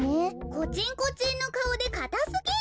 コチンコチンのかおでかたすぎる。